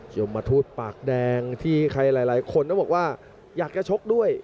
ยมทูตปากแดงที่ใครหลายคนต้องบอกว่าอยากจะชกด้วย